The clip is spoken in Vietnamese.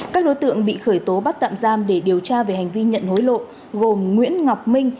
các đối tượng bị khởi tố bắt tạm giam để điều tra về hành vi nhận hối lộ gồm nguyễn ngọc minh